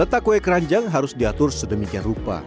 data kue keranjang harus diatur sedemikian rupa